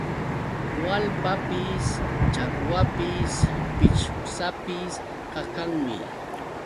Waalpapis, chakwapis, pichwsapis qaqanmi.